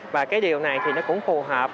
và điều này cũng phù hợp